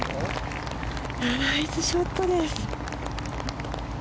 ナイスショットです！